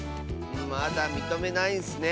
まだみとめないんッスね。